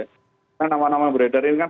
karena nama nama yang beredar ini kan